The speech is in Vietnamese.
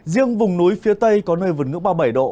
riêng vùng núi phía tây có nơi vượt ngưỡng ba mươi bảy độ